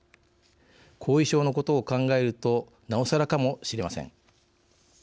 後遺症のことを考えるとなおさらかもしれません。